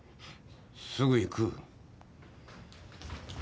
すぐ行く。